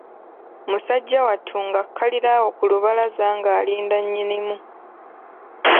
Musajja wattu ng'akkalira awo ku lubalaza ng'alinda nnyinimu.